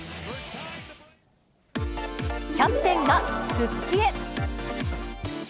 キャプテンが復帰へ。